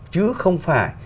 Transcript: chứ không phải